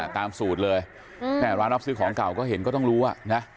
ตามสูตรเลยแม่ร้านรับซื้อของเก่าก็เห็นก็ต้องรู้อ่ะนะ